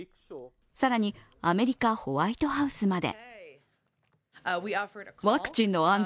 更に、アメリカ・ホワイトハウスまで。